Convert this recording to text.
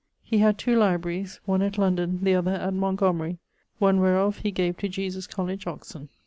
He had two libraries, one at London, the other at Montgomery; one[EY] wherof he gave to Jesus College, Oxon.